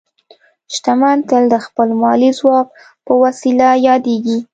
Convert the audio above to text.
شتمن تل د خپل مالي ځواک په وسیله یادېږي.